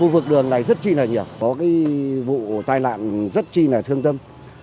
vụ tai nạn rất chi là thương tâm